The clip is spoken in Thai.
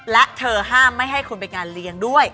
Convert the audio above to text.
และเธอห้ามไม่ให้คุณไปงานเลี้ยงด้วย